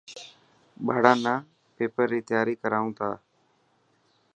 ٻاران نا پيپر ري تياري ڪرائون ٿا.